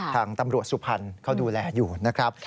ทางตำรวจสุพรรณเขาดูแลอยู่นะครับ